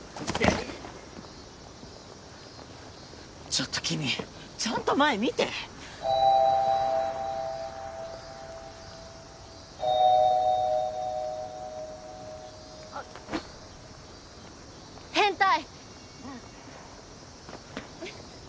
ちょっと君ちゃんと前見て変態！